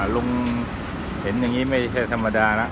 ลุงเห็นอย่างนี้ไม่ใช่ธรรมดาแล้ว